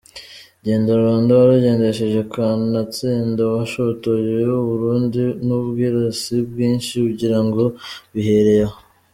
Genda Rwanda Waragendesheje.Kanatsinda Washotoye Uburundi Nubwirasi Bwinshi Ugira Ngo Bihereye Aho